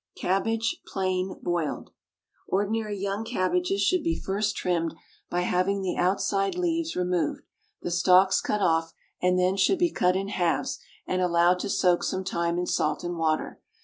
CABBAGE, PLAIN BOILED. Ordinary young cabbages should be first trimmed by having the outside leaves removed, the stalks cut off, and then should be cut in halves and allowed to soak some time in salt and water.